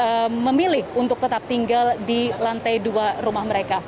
yang masih memiliki untuk tetap tinggal di lantai dua rumah mereka